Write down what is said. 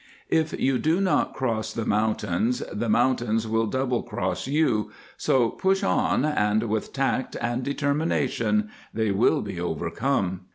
If you do not cross the mountains the mountains will double cross you, so push on and with tact and determination they will be overcome.